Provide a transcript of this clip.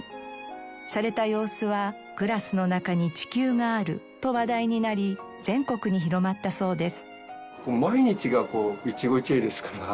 しゃれた様子は「グラスの中に地球がある」と話題になり全国に広まったそうです。